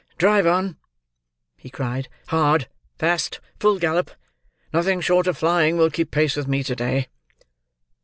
"Drive on!" he cried, "hard, fast, full gallop! Nothing short of flying will keep pace with me, to day."